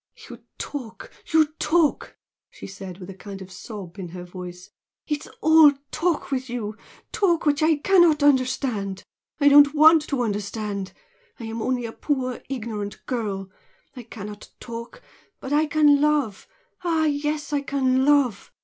"You talk, you talk!" she said, with a kind of sob in her voice "It is all talk with you talk which I cannot understand! I don't WANT to understand! I am only a poor, ignorant girl. I cannot talk but I can love! Ah yes, I can love!